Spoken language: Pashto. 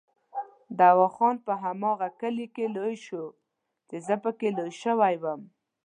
دوا خان په هماغه کلي کې لوی شو چې زه پکې لوی شوی وم.